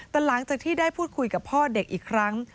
แต่หลังจากที่ได้พูดคุยกับพ่อเด็กอีกครั้ง